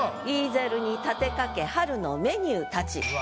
「イーゼルに立てかけ春のメニューたち」。